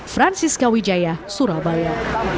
francis kawijaya surabaya